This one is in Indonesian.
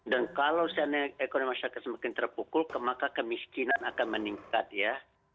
dan kalau seandainya ekonomi masyarakat semakin terpukul kemaka kemiskinan akan meningkat ya